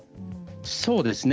そうですね。